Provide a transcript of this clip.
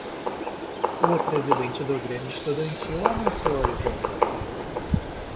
o presidente do grêmio estudantil anunciou a exoneração